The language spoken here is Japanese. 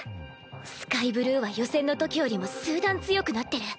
スカイブルーは予選のときよりも数段強くなってる。